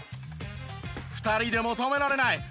２人でも止められない！